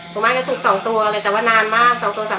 เคยถูกวันที่๑มาอย่างนั้นไหม